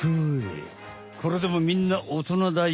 これでもみんなおとなだよ。